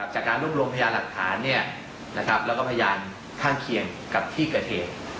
จากการร่วมพยานหลักฐานและพยานข้างเคียงกับที่กระเทศ